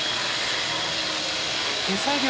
手作業！